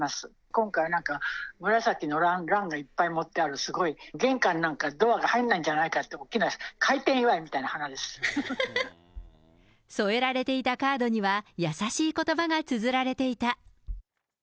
今回はなんか、紫のランがいっぱい盛ってある、すごい、玄関なんか、ドアが入んないんじゃないかって、添えられていたカードには、優しいことばがつづられていた。